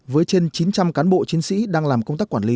với trên chín trăm linh cán bộ chiến sĩ đang làm công tác quản lý